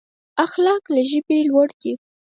اخلاق له ژبې لوړ دي.